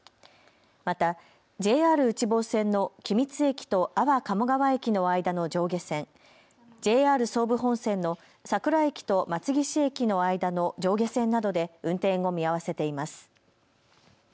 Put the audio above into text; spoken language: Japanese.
またＪＲ内房線の君津駅と安房鴨川駅の間の上下線、ＪＲ総武本線の佐倉駅と松岸駅の間の上下線などで運転を見合わせています。